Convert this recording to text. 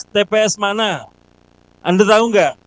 tps mana anda tahu nggak